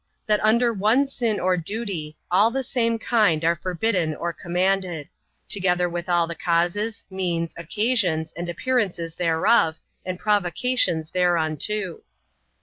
That under one sin or duty, all of the same kind are forbidden or commanded; together with all the causes, means, occasions, and appearances thereof, and provocations thereunto.